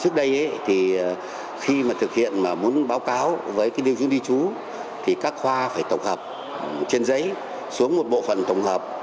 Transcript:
trước đây thì khi mà thực hiện mà muốn báo cáo với lưu trú lưu trú thì các khoa phải tổng hợp trên giấy xuống một bộ phần tổng hợp